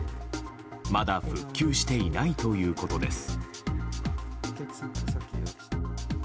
まだ復旧していないということです。